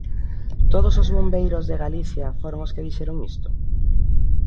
¿Todos os bombeiros de Galicia foron os que dixeron isto?